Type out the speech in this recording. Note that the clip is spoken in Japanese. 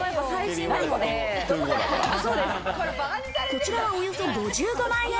こちらは、およそ５５万円。